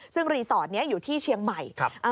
ซึ่งรีสอร์ทนี้อยู่ที่เชียงใหม่